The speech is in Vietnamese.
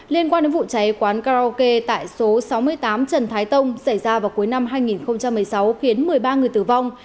liên quan đến vụ cháy quán karaoke tại số sáu mươi tám trần thái tông xảy ra vào cuối năm hai nghìn một mươi sáu khiến một mươi ba người tử vong